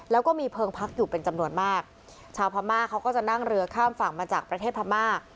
แล้วก็มีเพลิงพักอยู่เป็นจำนวนมากชาวพม่าเขาก็จะนั่งเรือข้ามฝั่งมาจากประเทศพม่า